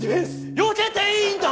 よけていいんだ！？